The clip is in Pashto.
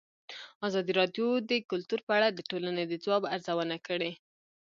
ازادي راډیو د کلتور په اړه د ټولنې د ځواب ارزونه کړې.